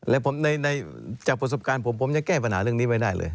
และในจากประสบการณ์ผมผมยังแก้ปัญหาเรื่องนี้ไว้ได้เลย